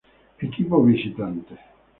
Equipo Visitante